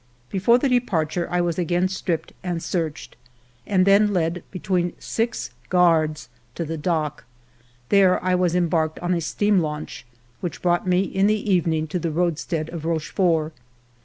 Before the departure I was again stripped and searched, and then led between six guards to the dock. There I was embarked on a steam launch, which brought me in the evening to the roadstead of Rochefort.